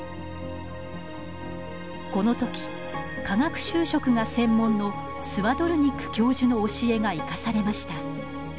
このとき化学修飾が専門のスワドルニック教授の教えが生かされました。